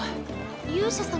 勇者様